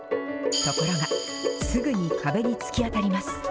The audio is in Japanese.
ところが、すぐに壁に突き当たります。